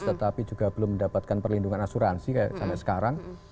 tetapi juga belum mendapatkan perlindungan asuransi kayak caleg sekarang